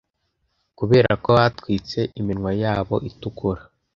kuberako batwitse iminwa yabo itukura